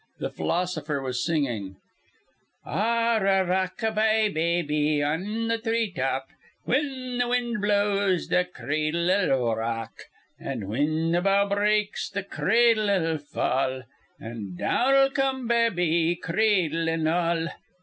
The philosopher was singing: Ar rah rock a bye, babby, on th' three top: Whin th' wind blo ows, th' cradle ull r rock; An', a whin th' bough breaks, th' cradle ull fa a a ll, An' a down ull come babby, cradle, an' all.